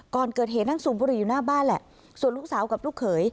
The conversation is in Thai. ก่อนเกิดเหตุนั่งสูบบุหรี่อยู่หน้าบ้านแหละส่วนลูกสาวกับลูกเขย